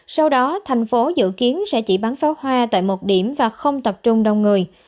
sau đó thành phố dự kiến sẽ chỉ bắn pháo hoa tại một điểm và không tập trung đông người